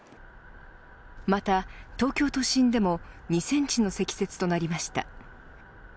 また、東京都心でも２センチの積雪となりました。